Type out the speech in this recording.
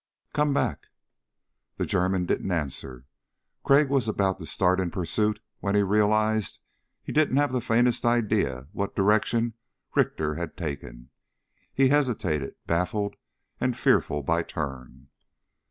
"Come back." The German didn't answer. Crag was about to start in pursuit when he realized he didn't have the faintest idea what direction Richter had taken. He hesitated, baffled and fearful by turn.